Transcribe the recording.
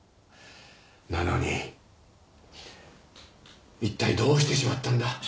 なのに一体どうしてしまったんだ？